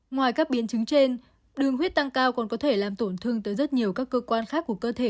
ngoài các biến chứng trên đường huyết tăng cao còn có thể làm tổn thương tới rất nhiều các cơ quan khác của cơ thể